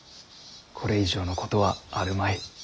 これ以上のことはあるまい。